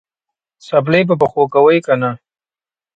څپلۍ په پښو کوې که نه؟